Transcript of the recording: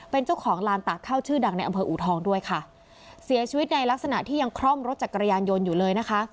เป็นเจ้าของลานตากข้าวชื่อดังในอำเภออูทองด้วยค่ะเสียชีวิตในลักษณะที่ยังคล่อมรถจักรยานยนต์อยู่เลยนะคะ